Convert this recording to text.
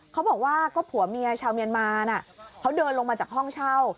เขาบอกว่าก็ผัวเมียชาวเมียนมานะเขาเดินลงมาจากห้องเช่า